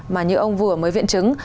mà như ông vừa mới viện chứng